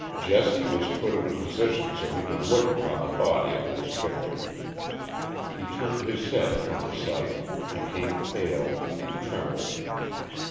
Jesse was put in a position so that he could look upon the body of his victim. He turned his head from the sight became pale and trembled.